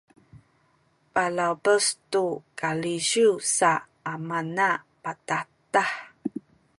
palawpes tu kalisiw sa amana patahtah